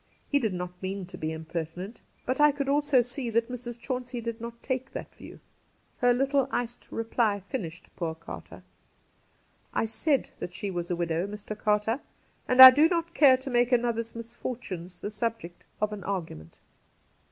He did not mean to be impertinent. But I could also see that Mrs. Chauncey did not take that view. Her little iced reply finished poor Carter. ' I said that she was a widow, Mr. Carter, and I do not care to make another's misfortunes the subject of an argument.'